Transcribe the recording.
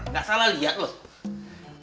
gak salah liat loh